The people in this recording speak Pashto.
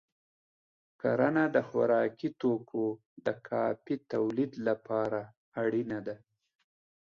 کرنه د خوراکي توکو د کافی تولید لپاره اړینه ده.